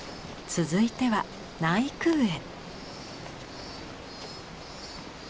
続いては内宮へ。